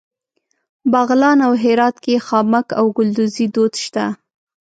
بغلان او هرات کې خامک او ګلدوزي دود شته.